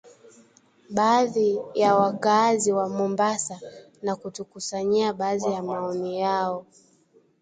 baadhi ya wakaazi wa Mombasa na kutukusanyia baadhi ya maoni yao